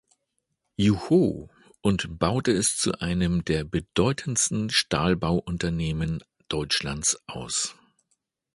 Jucho und baute es zu einem der bedeutendsten Stahlbauunternehmen Deutschlands aus.